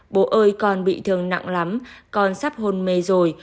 bố ơi còn bị thương nặng lắm con sắp hôn mê rồi